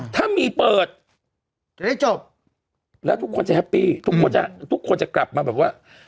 ถ้ามีเปิดจะได้จบแล้วทุกคนจะแฮปปี้ทุกคนจะทุกคนจะกลับมาแบบว่า